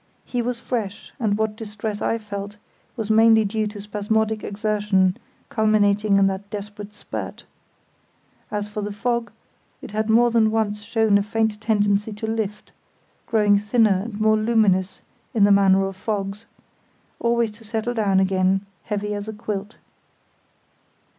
He was fresh, and what distress I felt was mainly due to spasmodic exertion culminating in that desperate spurt. As for the fog, it had more than once shown a faint tendency to lift, growing thinner and more luminous, in the manner of fogs, always to settle down again, heavy as a quilt.